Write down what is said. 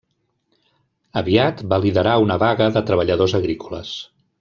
Aviat, va liderar una vaga de treballadors agrícoles.